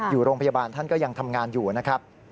อยู่โรงพยาบาลท่านก็ยังทำงานอยู่นะครับ